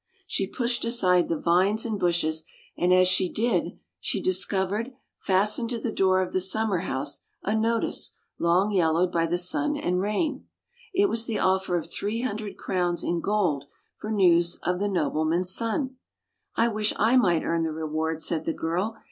She pushed aside the vines and bushes, and as she did so she discovered, fastened to the door of the summer house, a notice, long yellowed by the sun and rain. It was the offer of three hundred crowns in gold for news of the nobleman's son. " I wish I might earn the reward," said the girl.